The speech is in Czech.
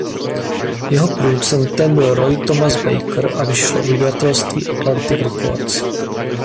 Jeho producentem byl Roy Thomas Baker a vyšlo u vydavatelství Atlantic Records.